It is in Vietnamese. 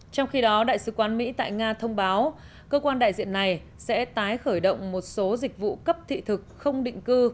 trong khi đó đại sứ quán mỹ tại nga thông báo cơ quan đại diện này sẽ tái khởi động một số dịch vụ cấp thị thực không định cư